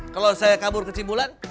kalau saya kabur ke cibulan